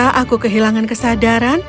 segera aku kehilangan kesadaran